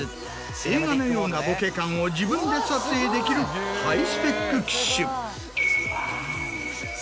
映画のようなボケ感を自分で撮影できるハイスペック機種。